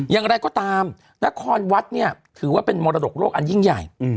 อย่างไรก็ตามนครวัดเนี่ยถือว่าเป็นมรดกโลกอันยิ่งใหญ่